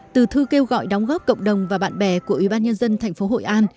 từ thư kêu gọi đóng góp cộng đồng và bạn bè của ủy ban nhân dân tp hội an